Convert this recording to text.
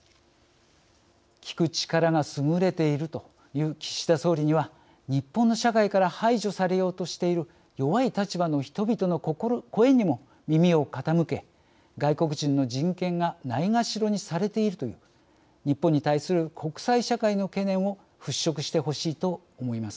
聞く力が優れているという岸田総理には日本の社会から排除されようとしている弱い立場の人々の声にも耳を傾け外国人の人権がないがしろにされているという日本に対する国際社会の懸念を払しょくしてほしいと思います。